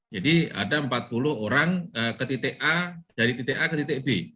jadi ada empat puluh orang ke titik a dari titik a ke titik b